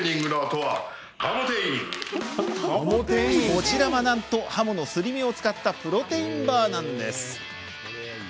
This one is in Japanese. こちらは、なんとハモのすり身を使ったプロテインバーなんです。